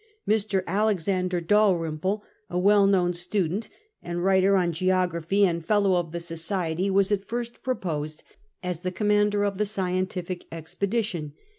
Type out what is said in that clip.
Mr. Alexander Daliymple, a well known student and VI ALEXANDER DALRYMPLE 69 writer on geography and Fellow of the Society, was at first proposed as the commander of the scientific expedition.